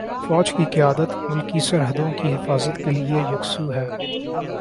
فوج کی قیادت ملکی سرحدوں کی حفاظت کے لیے یکسو ہے۔